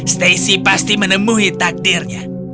stacy pasti menemui takdirnya